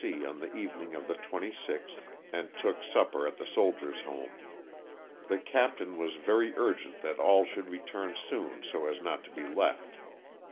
on the evening of the 26th, and took supper at the Soldiers' Home. The captain was very urgent that all should return soon so as not to be left.